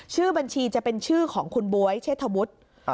ชื่อบัญชีจะเป็นชื่อของคุณบ๊วยเชษฐวุฒิ